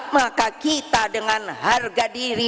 maka kita dengan harga diri